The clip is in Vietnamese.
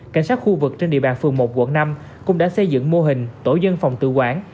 cảnh sát khu vực trên địa bàn phường một quận năm cũng đã xây dựng mô hình tổ dân phòng tự quản